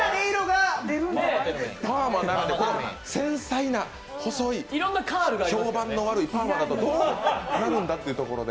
パーマならではの繊細な細い、評判の悪いパーマだとどうなるんだっていうので。